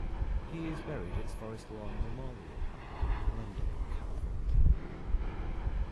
He is buried at Forest Lawn Memorial Park, Glendale, California.